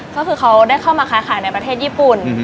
ก็คือเขาได้เข้ามาค้าขายในประเทศญี่ปุ่น